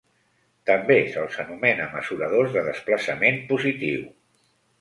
També se'ls anomena mesuradors de desplaçament positiu.